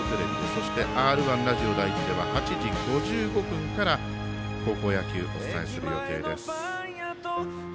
そして、Ｒ１ラジオ第１では８時５５分から高校野球、お伝えする予定です。